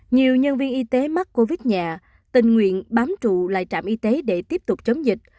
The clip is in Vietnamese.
nhiều nhân viên y tế mắc covid nhà tình nguyện bám trụ lại trạm y tế để tiếp tục chống dịch